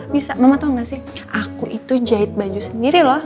bisa mama tahu nggak sih aku itu jahit baju sendiri loh